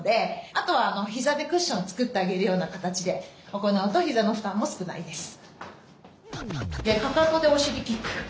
あとは膝でクッション作ってあげるような形で行うと膝の負担も少ないです。